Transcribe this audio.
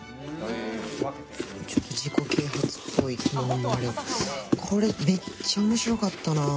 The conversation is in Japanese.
ちょっと自己啓発っぽいものもあればこれめっちゃ面白かったなあ。